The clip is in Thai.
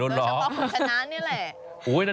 โดยเฉพาะคุณชนะนี่แหละ